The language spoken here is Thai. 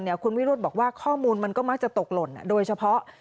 คุณวิรุธบอกว่าข้อมูลมันก็มักจะตกหล่นโดยเฉพาะ